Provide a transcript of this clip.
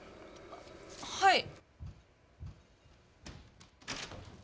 はい。